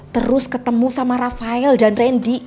terus ketemu sama rafael dan randy